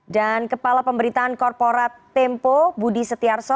dan kepala pemberitaan korporat tempo budi setiarso